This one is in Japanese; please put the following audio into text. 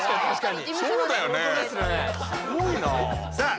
すごいなあ。